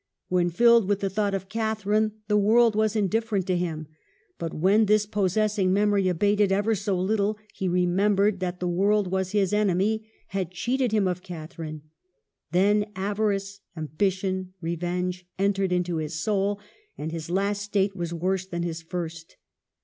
When filled with the thought of Catharine, the world was indifferent to him ; but when this possessing memory abated ever so little, he remembered that the world was his enemy, had cheated him of Catharine. Then avarice, ambition, revenge, entered into his soul, and his last state was worse than his first.